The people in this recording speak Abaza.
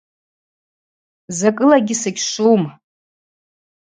Закӏылагьи сыгьшвум.